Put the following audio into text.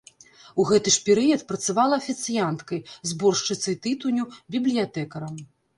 У гэты ж перыяд працавала афіцыянткай, зборшчыцай тытуню, бібліятэкарам.